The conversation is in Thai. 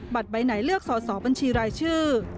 ใบไหนเลือกสอสอบัญชีรายชื่อ